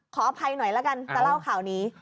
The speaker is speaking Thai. ขออภัยหน่อยละกันจะเล่าข่าวนี้